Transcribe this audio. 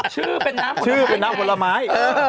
ชื่อเป็นน้ำผลไม้